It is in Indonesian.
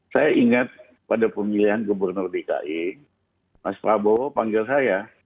saya ingat pada pemilihan gubernur dki mas prabowo panggil saya